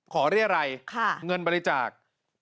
ขอเรียกอะไรเงินบริจาค